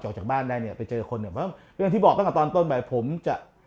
ออกจากบ้านได้เนี่ยไปเจอคนที่บอกตั้งแต่ตอนต้นไปผมจะ